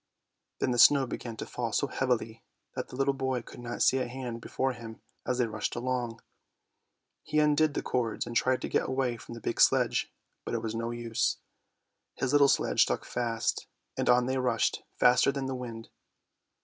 Then the snow began to fall so heavily that the little boy could not see a hand before him as they rushed along. He undid the cords, and tried to get away from the big sledge, but it was no use, his little sledge stuck fast, and on they rushed, faster than the wind.